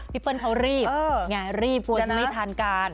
พี่เปิ้ลเขารีบรีบกว่าจะไม่ทานการ